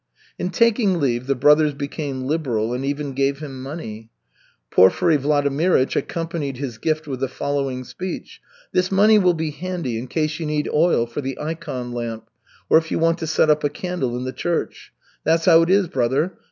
In taking leave the brothers became liberal and even gave him money. Porfiry Vladimirych accompanied his gift with the following speech: "This money will be handy in case you need oil for the ikon lamp or if you want to set up a candle in the church. That's how it is, brother.